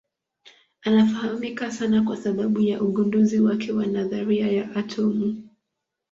Anafahamika sana kwa sababu ya ugunduzi wake wa nadharia ya atomu.